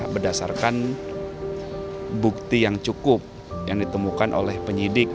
berdasarkan bukti yang cukup yang ditemukan oleh penyidik